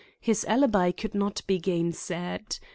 His alibi could not be gainsaid.